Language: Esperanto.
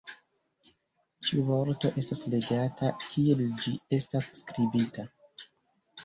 Ĉiu vorto estas legata, kiel ĝi estas skribita.